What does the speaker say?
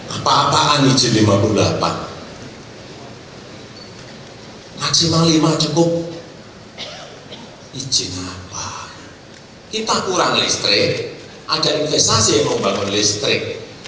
apa apaan izin lima puluh delapan maksimal lima cukup izin apa kita kurang listrik ada investasi membangun listrik